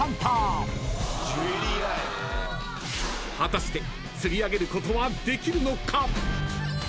［果たして釣り上げることはできるのか？］